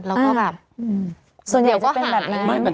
แล้วก็แบบส่วนใหญ่ก็เป็นแบบนั้น